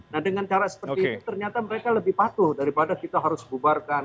nah dengan cara seperti itu ternyata mereka lebih patuh daripada kita harus bubarkan